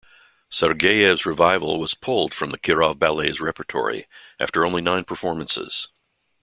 Sergeyev's revival was pulled from the Kirov Ballet's repertory after only nine performances.